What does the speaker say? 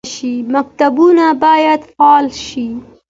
مکتبونه باید فعال شي